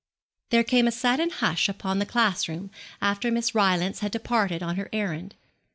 There came a sudden hush upon the class room after Miss Rylance had departed on her errand.